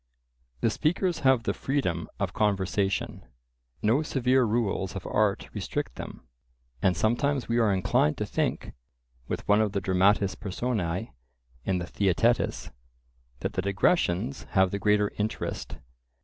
The speakers have the freedom of conversation; no severe rules of art restrict them, and sometimes we are inclined to think, with one of the dramatis personae in the Theaetetus, that the digressions have the greater interest.